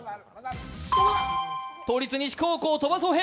都立西高校、鳥羽想平。